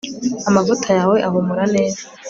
amavuta yawe ahumura neza